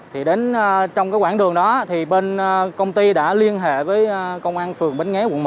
thì đến trong cái quãng đường đó thì bên công ty đã liên hệ với công an phường bến nghé quận một